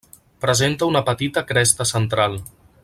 Presenta una petita cresta central.